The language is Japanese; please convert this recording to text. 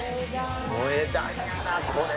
萌え断やなこれ。